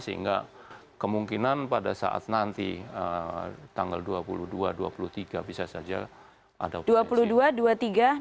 sehingga kemungkinan pada saat nanti tanggal dua puluh dua dua puluh tiga bisa saja ada potensi